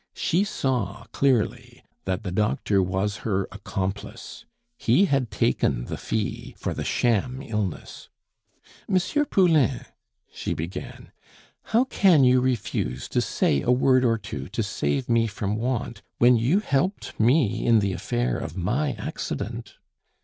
She saw clearly that the doctor was her accomplice he had taken the fee for the sham illness. "M. Poulain," she began, "how can you refuse to say a word or two to save me from want, when you helped me in the affair of my accident?"